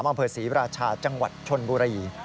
มศรีราชาจังหวัดชนบุรี